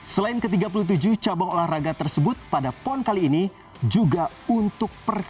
selain ke tiga puluh tujuh cabang olahraga tersebut pada pon kali ini juga untuk pertandingan